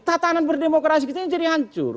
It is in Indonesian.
tatanan berdemokrasi kita ini jadi hancur